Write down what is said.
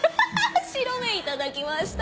白目いただきました。